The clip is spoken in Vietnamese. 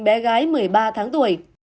bé gái một mươi ba tháng tuổi